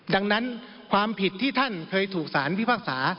ดังนั้นความผิดที่ท่านเคยถูกสารพิพากษา